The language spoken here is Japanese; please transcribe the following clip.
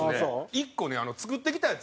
１個ね作ってきたやつをね